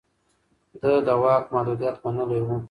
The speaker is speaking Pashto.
ده د واک محدوديت منلی و.